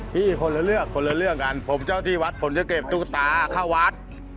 พี่คนละเรื่องคนละเรื่องกันผมเจ้าที่วัดผมจะเก็บตุ๊กตาเข้าวัด